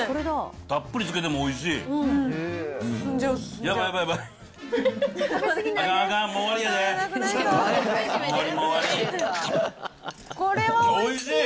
たっぷりつけてもおいしい。